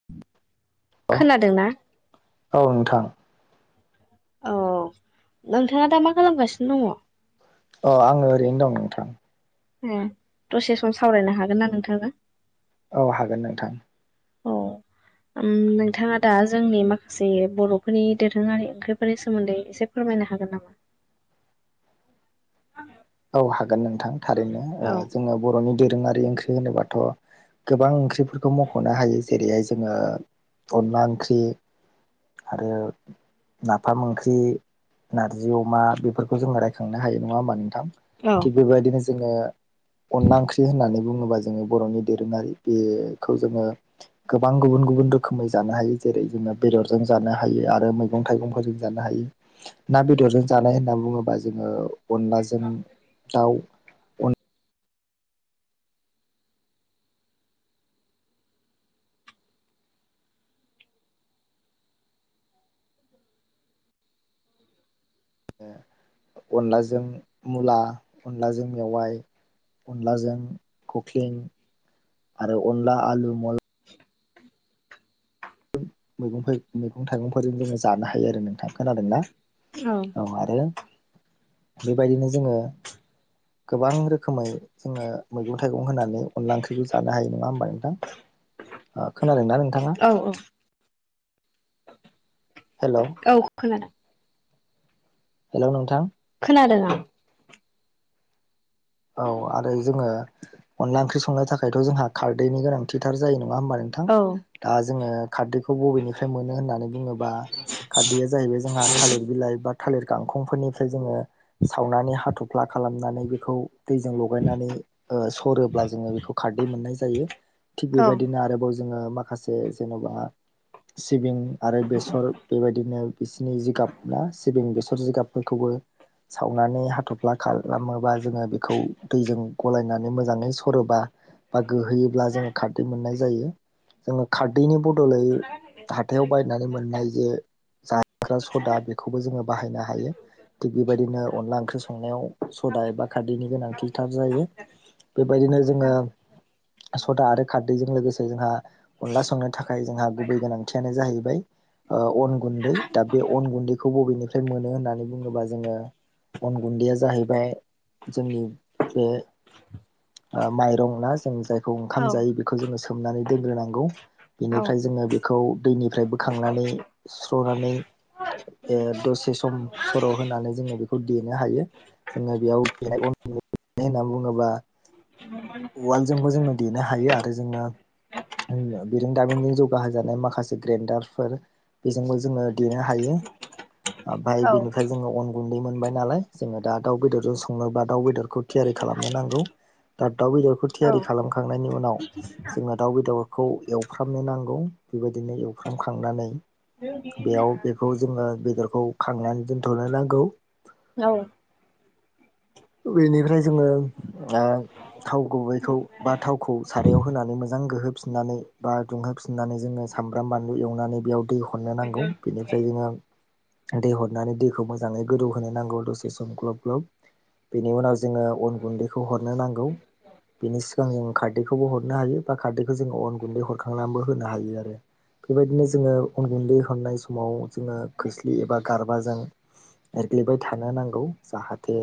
[inaudible] औ खोनादों ना औ नोंथां औ नोंथाङा दा मा खालामगासिनो दङ। अ आङो ओरैनो दं नोंथां ए दसे सम सावरायनो हागोन ना नोंथां। औ हागोन नोंथां। औ। नोंथाङा दा जोंनि माखासे बर'फोरनि दोरोङारि ओंख्रिफोरनि सोमोन्दै एसे। फोरमायनो हागोन नामा औ हागोन नोंथां थारैनो औ जोङो बर'नि दोरोङारि ओंख्रि होनोबाथ' गोबां ओंख्रिफोरखौ मख'नो हायो जेरैहाय जोङो अनला ओंख्रि आरो। नाफाम ओंख्रि नारजि अमा बेफोरखौ जोङो रायखांनो हायो नङा होमबा नोंथां औ थिग बेबायदिनो जोङो अनला ओंख्रि होननानै। बुङोबा जोङो बर'नि दोरोङारि बेखौ जोङो गोबां गुबुन गुबुन रोखोमै जानो हायो जेरै जोङो बेदरजों जानो हायो आरो मैं मैगं थाइगंफोर जों जानो हायो ना बेदरजों जानाय होनना बुङोबा जोङो। अनलाजों दाउ अनलाजों मुला अनलाजों मेवाइ अनलाजों खख्लिं आरो अनला आलु म [inaudible] मैगं मैगं थाइगंफोरजों जोङो जानो हायो आरो नोंथां खोनादोंना। औ। औ आरो बेबायदिनो जोङो गोबां रोखोमै जोङो मैगं थाइगं होनानै अनला ओंख्रिखौ जानो हायो नङा होमबा नोंथां खोनादों ना नोंथाङा औ औ हेल' औ खोनादों हेल' नोंथां खोनादों ना औ आरो जोङो अनला ओंख्रि संनो थाखायथ' जोंहा खारदैनि गोनां। खथिथार जायो नङा होमबा नोंथां औ दा जोङो खारदैखौ बबेनिफ्राय मोनो होननानै बुङोब्ला खारदैया जाहैबाय जोंहा थालिर बिलाइ बा थालिर गांखंफोरनिफ्राय जोङो। सावनानै हाथ'फ्ला खालामनानै बेखौ दैजों लगायनानै सरोब्ला जोङो बेखौ खारदै मोननाय जायो थिग औ बेबायदिनो आरोबाव जोङो माखासे जेन'बा सिबिं आरो बेसर बेबायदिनो बिसिनि जिगाब ना सिबिं बेसर जिगाबफोरखौबो सावनानै हाथफ्ला खालामोबा जोङो बे खौ दैजों गलायनानै मोजाङै सरोबा। बा गोहोयोब्ला जोङो खारदै मोननाय जायो जोङो खारदैनि बदलै हाथायाव बायनानै मोननाय जे जाग्रा सदा बेखौबो जोङो बाहायनो हायो। थिग बेबायदिनो अनला ओंख्रि संनायाव सदा एबा खार नि गोनांथिथार जायो बेबायदिनो जोङो। सदा आरो खारदैजों लोगोसे जोंहा। अनला संनो थाखाय जोंहा गुबै गोनांथियानो जाहैबाय अन गुन्दै दा बे अन गुन्दैखौ बबेनिफ्राय मोनो होननानै बुङोबा जोङो। बन गुन्दैया जाहैबाय जोंनि बे माइरं ना जों जायखौ औ ओंखाम जायो बे बे खौ जोङो सोमनानै दोनग्रोनांगौ औ बेनिफ्राय जोङो बेखौ दैनिफ्राय बोखांनानै सुस्र'नानै दसे सम सर' होनानै जोङो बेखौ देनो हायो जोङो बेयाव अनखौ देनाय होनना बुङोबा उवालजोंबो जोङो देनो हायो आरो जोङो बिरोंदामिननि जौगाहोजानाय माखासे ग्रेन्डारफोर बेजोंबो जोङो देनो हायो ओमफफाय औ बेनिफ्राय जोङो अन गुन्दै मोनबाय नालाय जोङो दा दाउ बेदरजों संनोबा दाउ बेदरखौ थियारि खालामनो नांगौ दा दाउ बेदरखौ औ थियारि खालामखांनायनि उनाव जोङो दाउ बेदरखौ एवफ्रामनो नांगौ बेबायदिनो एवफ्रामखांनानै बेयाव बेखौ जोङो बेदरखौ खांनानै दोनथ'नो नांगौ औ बेनिफ्राय जोङो थाव गुबैखौ बा थावखौ सारायाव होनानै मोजां गोहोफिननानै बा दुंहोफिननानै जोङो सामब्राम बानलु एवनानै बेयाव दै हरनो नांगौ बेनिफ्राय जोङो दै हरनानै दैखौ मोजाङै गोदौ होनोनो नांगौ दसे सम ग्लब ग्लब बेनि उनाव जोङो अन गुन्दैखौ हरनो नांगौ बिनि सिगां जों खारदैखौबो हरनो हायो बा खारदैखौ जों अन गुन्दै हरखांनानैबो होनो हायो आरो बेबायदिनो जोङो अन गुन्दै हरनाय समाव जोङो खोस्लि एबा गारबाजों एरग्लिबाय थानो नांगौ जाहाथे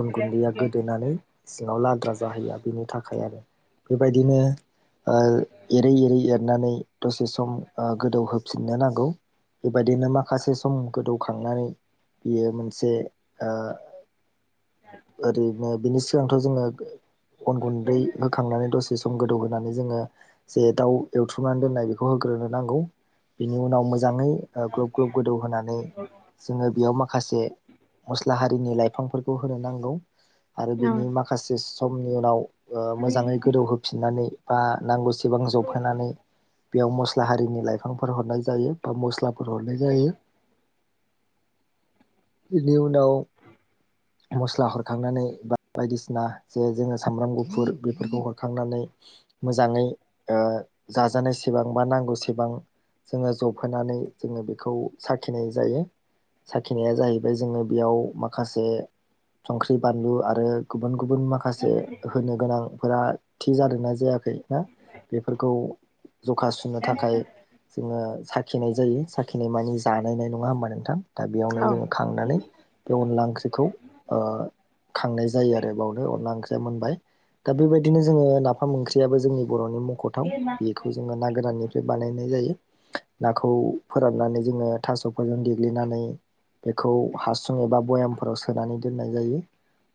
अन गुन्दैया गोदोनानै सिङाव लाद्रा जाहैया बिनि थाखाय आरो बेबायदिनो एरै एरै एरनानै दसे सम गोदौहोफिननो नांगौ। बेबायदिनो माखासे सम गोदौखांनानै बियो मोनसे ओरैनो बिनि सिगांथ' जोङो अन गुन्दै होखांनानै दसे सम गोदौहोनानै जोङो जे दाउ एवथ्रुमनानै दोननाय बेखौ होग्रोनो नांगौ बिनि उनाव मोजाङै ग्लब ग्लब गोदौ होनानै जोङो बेयाव माखासे मस्ला हारिनि लाइफांफोर खौ होनो नांगौ आरो बिनि माखासे समनि उनाव मोजाङै गोदौहो फिननानै बा नांगौसेबां जबहोनानै बेयाव मस्ला हारिनि लाइफांफोर हरनाय जायो बा मस्लाफोर हरनाय जायो [inaudible] बेनि उनाव मस्ला हरखांनानै बा बायदिसिना जे जोङो सामब्राम गुफुर बेफोरखौ हरखांनानै मोजाङै जाजानायसेबां बा नांगौसेबां जोङो जबहोनानै जोङो बेखौ साखिनाय जायो। साखिनाया जाहैबाय जोङो बेयाव माखासे संख्रि बानलु आरो गुबुन गुबुन माखासे होनो गोनांफोरा थि जादोंना जायाखै ना बेफोरखौ जखा सुनो थाखाय जोङो साखिनाय जायो साखिनाय मानि जानायनाय नङा होमबा नोंथां दा बेयावनो औ जोङो खांनानै बे अनला ओंख्रिखौ खांनाय जायो आरो बावनो अनला ओंख्रिया मोनबाय दा बेबायदिनो जोङो नाफाम ओंख्रियाबो जोंनि बर'नि मख'थाव बि खौ जोङो ना गोराननिफ्राय बानायनाय जायो। नाखौ फोराननानै जोङो थास'फोरजों देग्लिनानै बेखौ हासुं एबा भयामफोराव सोनानै दोननाय जायो।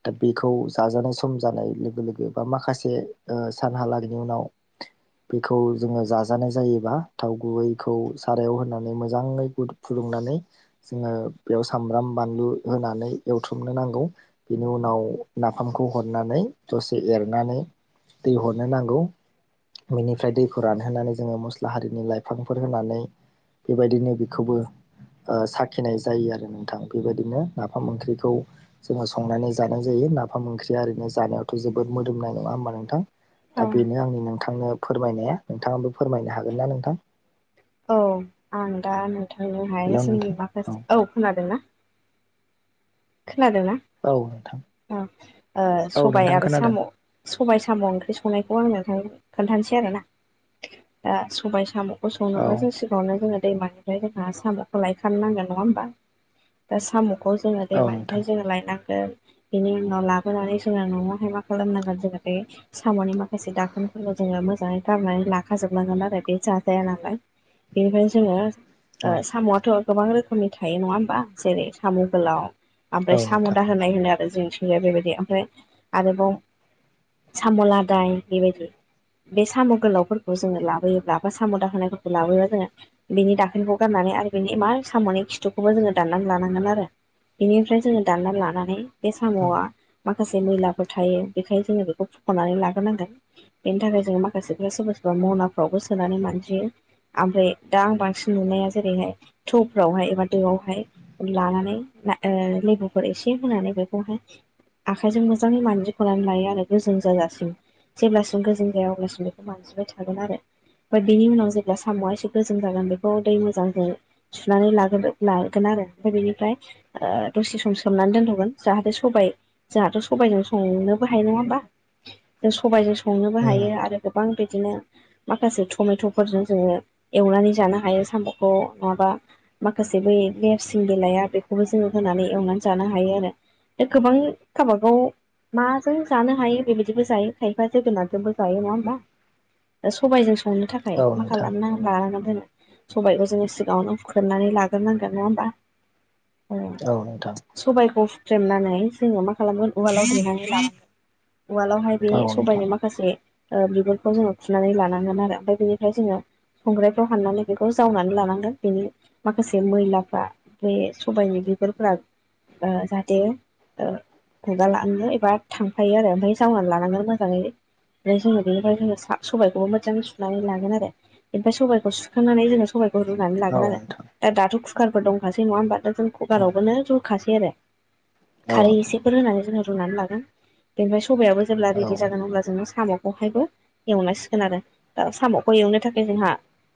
दा बेखौ जाजानाय सम जानाय लोगो लोगो बा माखासे सानहालागैनि उनाव [inaudible] बेखौ जोङो जाजानाय जायोबा थाव गुबैखौ सारायाव होनानै मोजाङै गुदुं फुदुंनानै जोङो बेयाव सामब्राम बानलु होनानै एवथ्रमनो नांगौ बेनि उनाव नाफामखौ हरनानै दसे एरनानै दै हरनो नांगौ। बेनिफ्राय दैखौ रानहोनानै जोङो मस्ला हारिनि लाइफांफोर होनानै बेबायदिनो बेखौबो ओ साखिनाय जायो आरो नोंथां बेबायदिनो नाफाम ओंख्रि खौ जोङो संनानै जानाय जायो नाफाम ओंख्रिआ ओरैनो जानायावथ' जोबोद मोदोमनाय नङा होमबा नोंथां? औ दा बेनो आंनि नोंथांनो फोरमायनाया नोंथांआबो फोरमायनो हागोन ना नोंथां? औ आं दा नोंथांजोंहाय हेलौ जोंनि नोंथां माखासे औ खोनादों ना? खोनादोंना औ नोंथां औ ओ औ सबाय नोंथां आरो खोनादों साम' सबाइ साम' ओंख्रि संनायखौ आं नोंथांजों खोनथासै आरोना दा सबायाइ साम' खौ औ संनोब्ला जोंसो समावनो जों दैमानिफ्राय जोंहा साम'खौ लायखनो नांगोन नङा होमबा दा सामखौ जोङो औ दैमानिफ्राय नोंथां जोङो लायनांगोन बेनि उनाव लाबोनानै जोङो न'आवहाय मा खालामनांगोन जोङो बे साम'नि माखासे दाखोनफोरखौ जोङो मोजाङै गारनानै लाखाजोबनांगोन आरो बे जाजाया नालाय बेनिफ्रायायनो जोङो औ ओ साम'आथ' गोबां रोखोमनि थायो नङा होमबा जेरै साम' गोलाव औ आमफ्राय साम' नोंथां दाहोन बाय होनो आरो जोंनिथिंजाय बेबायदि आमफ्राय आरोबाव साम' लादाय बेबायदि बे साम' गोलावफोरखौ जोङो लाबोयोब्ला बा साम' दाहोनायफोरखौ लाबोयोबा जोङो बिनि दाखोनखौ गारनानै आरो बिनि मा साम'नि खिथुखौबो जोङो दाननानै लानांगोन आरो बेनिफ्राय जोङो दाननानै लानानै बे औ उम साम'आ माखासे मैलाफोर थायो बेखाय जोङो बेखौ फुख'नानै लाग्रोनांगोन बेनि थाखाय जोङो माखासेफ्रा सोरबा सोरबा म'नाफ्रावबो सोनानै मानजियो आमफ्राय दा आं बांसिन नुनाया जेरैहाय थौफ्रावहाय एबा दोआवहाय लानानै ओ लेबुफोर एसे होनानै बेखौहाय आखाइजों मोजाङै मान्जिख'नानै लायो आरो गोजों जाजासिम जेब्लासिम गोजों जाया अब्लासिम बेखौ मानजिबाय थागोन आरो ओमफ्राय बेनि उनाव जेब्ला साम'आ एसे गोजोम जागोन बेखौ दै मोजांजों सुनानै लाग्रो लागोन आरो आमफ्राय बेनिफ्राय ओ दसे सम सोमनानै दोनथ'गोन जाहाथे सबाय जोंहाथ' सबायजों संनोबो हायो नङा होमबा जों सबाइजों संनोबो हायो आरो गोबां बिदिनो माखासे टमेट'फोरजों जोङो एवनानै जानो हायो साम'खौ नङाबा माखासे बे नेरसिं बिलाइआ बेखौबो जोङो होनानै एवनानै जानो हायो आरो गोबां गावबा गाव माजों जानो हायो बेबायदिबो जायो खायफा जोगोनाथजोंबो जायो नङा होमबा ओ सबायजों संनो थाखाय औ थाखाइ मा नोंथां खालामना लानांगोन जोङो सबायखौ जोङो सिगाङावनो हुख्रेमनानै लाग्रोनांगोन नङा होमबा ओ औ नोंथां सबायखौ हुख्रेमनानै जोङो मा खालामगोन उवालाव देनानै‌ लागोन उवालावहाय बे औ नोंथां सबायनि माखासे ओ बिगुरखौ जोङो खुनानै लानांगोन आरो आमफ्राय बेनिफ्राय जोङो खंग्रायफ्राव हाननानै बेखौ जावनानै लानांगोन बेनि माखासे मैलाफ्रा बे सबाइनि बेगुफोरा ओ जाहाथे ओ खुगा लानांगोन एबा थांफायो आरो आमफाय जावनानै लानांगोन मोजाङै ओमफाय जोङो बेनिफ्राय जोङो साब सबायखौबो मोजां सुनानै लागोन आरो आमफाय सबायखौ सुखांनानै जोङो साबाइखौ रुनानै औ लागोन औ आरो नोंथां दा दाथ' कुकारफोर दंखासै नङा होमबा जों औ कुकारावबोनो खासै आरो औ खारै नोंथां एसेफोर होनानै जों रुनानै लागोन बेनिफाय सबायाबो जेब्ला औ रेदि जागोन अब्ला जोङो साम'खौहायबो एवनांसिगोन आरो दा साम'खौ एवनो थाखाय जोंहा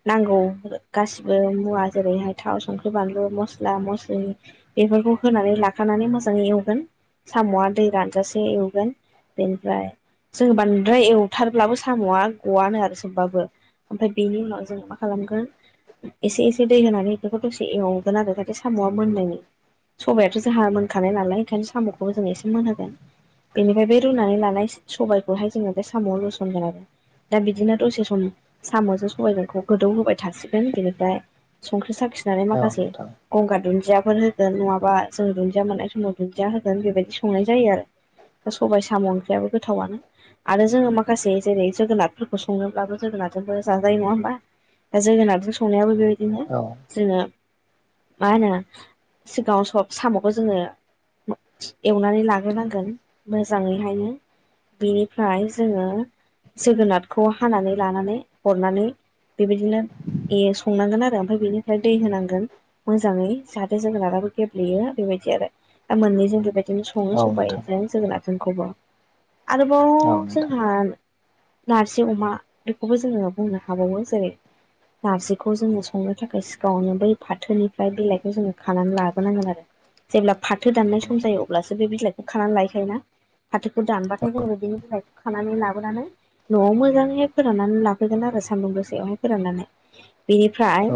नांगौ ओ गासिबो मुवा जेरैहाय थाव संख्रि बानलु मस्ला मस्लि ओ इफोरखौ होनानै लाखानानै मोजाङै एवगोन साम'आ दै रानजासे एवगोन बेनिफ्राय जोङो बांद्राय एवथारब्लाबो साम'आ गवनो आरो सोबबाबो। ओमफ्राय बेनि उनाव जों मा खालामगोन एसे एसे दै होनानै बेखौ दसे एवगोन आरो जाहाथे साम'आ मोननायनि सबायाथ' जोंहा मोनखानाय नालाय ओंखायनो साम'खौबो जों एसे मोनहोगोन। बेनिफ्राय बे रुनानै लानाय सबायाइखौहाय जोङो बे साम' लुसनगोन आरो। दा बिदिनो दसे सम साम'जों सबायाइजोंखौ गोदौ होबाय थासिगोन बेनिफ्राय संख्रि साखिनानै माखासे नोंथां गंगार दुन्दियाफोर होगोन नङाबा जों दुन्दिया मोननाय समाव दुन्दिया होगोन बेबायदि संनाय जायो आरो। दा सबबाय साम' ओंख्रियाबो गोथावानो। आरो जोङो माखासे जेरै जोगोनारफोरखौ सङनोब्लाबो जोगोनारजोंबो जाजायो नङा होमबा? दा जोगोनारजों संनायाबो बेबायदि औ जोङो मा होनो सिगाङाव सब साम'खौ जोङो एवनानै लाग्रोनांगोन मोजाङैहाय बेनिफ्राय जोङो जोगोनारखौ हानानै लानानै हरनानै बेबायदिनो ए संनांगोन आरो ओमफ्राय बेनिफ्राय दै होनांगोन। मोजाङै जाहाथे जों राबो गेब्लेयो बेबायदि आरो दा मोननैजों बेबायदि बिदिनो औ सङनो सबाय नोंथां ज जोगोनोनखौबो आरोबाव जोंहा नारजि अमा बेखौबो जोङो बुंनो हाबावो जेरै नारजिखौ जोङो संनो थाखाय सिगाङावनो बै फाथोनि फओमफ्राय बिलाइखौ जोङो खानानै लाबोनांगोन आरो। जेब्ला फाथो दाननाय सम जायो अब्लासो बे बिलाइखौ खानानै लायखायो ना? फाथोखौ दानबाथाय जोङो बिनि बिलाइखौ खानानै लाबोनानै न'आव मोजाङैहाय फोराननानै लाफैगोन आरो सान्दुं गोसेायावहाय फोराननानै बेनिफ्राय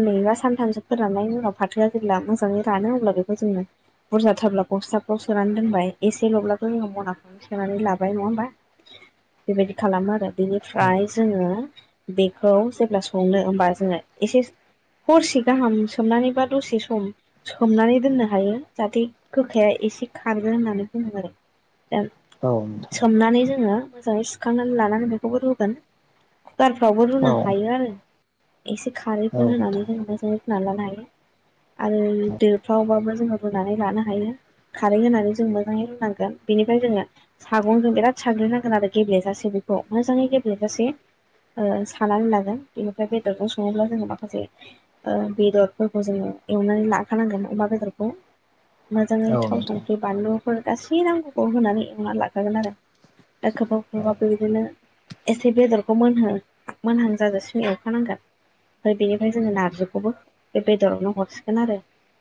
औ बा सानथामसो फोराननायनि उनाव फाथोआ जेब्ला मोजाङै रानो अब्ला बेखौ जोङो बुरजाथाब्ला गस्लााबफ्राव सोनानै दोनबाय एसे लबब्लाबो रोङो मनाखौ सोनानै लाबाय नङा होमबा बेबायदि खालामो आरो बेनिफ्राय जोङो बेखौ जेब्ला संनो होमबा जोङो एसे हरसिगोन गाहाम सोमनानैबा दसे सम सोमनानै दोननो हायो जाहाथे गोखाया एसे खारगोन होननानै बुङो आरो। दा औ नोंथां सोमनानै जोङो मोजाङै सुखांनानै लानानै बेखौबो रुगोन। कुदारफ्रावबो रुनो औ हायो आरो। एसे औ खारैफोर होनानै नोंथां जेन मोजाङै फनानै लानो हायो। आरो देरफ्र्लावबाबो जोङो रुनानै लानो हायो। खारै होनानै जों मोजाङै रुनांगोन बेनिफ्राय जोङो सागंजों बिराद साग्रनांगोन आरो गेब्लेेजासे बेखौ मोजाङै गेब्लेेजासे सानानै लागोन बेनिफ्राय बेदरजों सङोब्ला जोङो माखासे बेदरफोरखौ जोङो एवनानै लाखानांगोन अमा बेदरखौ मोजाङै औ थाव नोंथां संख्रि बानलुफोर गासै नांगफोरखौ होनानै एवना लाखागोन आरो। औ एखबाखबाबो बिदिनो एसे बेदरखौ मोनह मोनहांजाजासिम एवखानांगोन ओमफ्राय बेनिफ्राय जोङो नारजि बेखौबो बे बेदरावनो हरसिगोन आरो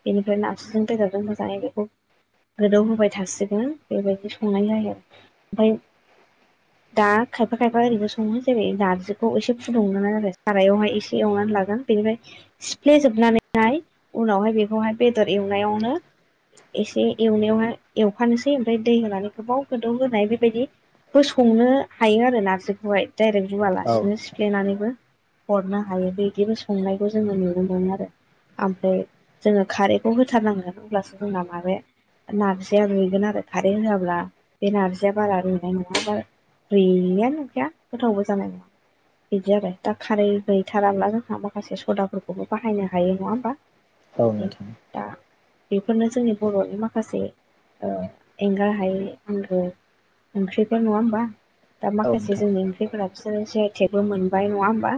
बेनिफ्राय नारस्रुजों बेदरजों होजानाय बेखौ गोदौ होबाय थासिगोन बेबायदि संनाय जायो आरो ओमफ्राय दा खायफा खायफा ओरैबो सङो जेरै नारजिखौ एसे फुदुंनो आरो सारायावहाय एसे एवनानै लागोन। बेनिफ्राय सिफ्लेजोबनानैहाय उनावहाय बेखौहाय बेदर एवनायावनो एसे एवनायावहाय एवखानोसै ओमफ्राय दै होनानै गोबाव गोदौ होनाय बेबायदि बो संनो हायो आरो नारजिखौहाय। डाइरेक्ट औ रुवालासिनो सिफ्लेनानैबो हरनो हायो बे बिदिबो संनायखौ जोङो नुनो मोनो आरो ओमफ्राय जोङो खारैखौ होथारनांगोन अब्लासो जोंना माबे नारजिया रुयगोन आरो खारेन्ट होआब्ला बे नारजिया बारा रुयनाय नङा गैयानो नंया गोथावबो जानाय नङा बिदि आरो दा खारै गैथाराब्ला जोंहा माखासे सदा फोरखौबो बाहायनो हायो नङा होमबा बि नोंथां दा बेफोरनो जोंनि बर'नि माखासे एंगार हायै आंगो ओंख्रिफोर नङा होमबा दा औ माखासे नोंथां जोंनि ओंख्रिफोरा बिसोरो जि आइ टेकबो मोनबाय नङा होमबा